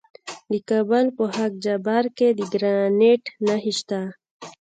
د کابل په خاک جبار کې د ګرانیټ نښې شته.